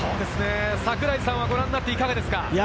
櫻井さんもご覧になっていかがですか？